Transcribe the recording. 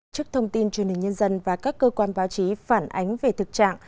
trước thông tin truyền hình nhân dân và các cơ quan báo chí phản ánh về thực trạng